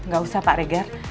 gak usah pak regar